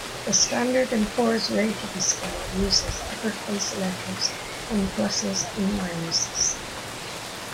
The Standard and Poor's rating scale uses upper-case letters and pluses and minuses.